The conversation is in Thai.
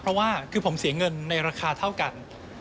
เพราะว่าคือผมเสียเงินในราคาเท่ากัน